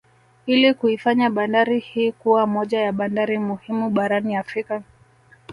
Ili kuifanya bandari hii kuwa moja ya bandari muhimu barani Afrika